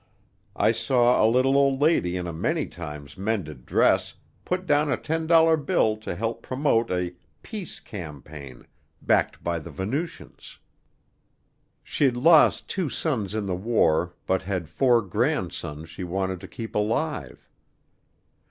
I saw a little old lady in a many times mended dress put down a ten dollar bill to help promote a "peace campaign" backed by the Venusians. She'd lost two sons in the war but had four grandsons she wanted to keep alive.